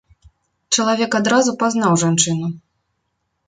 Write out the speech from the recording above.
Чалавек адразу пазнаў жанчыну.